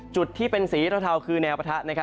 จุดที่เป็นสีเทาคือแนวปะทะ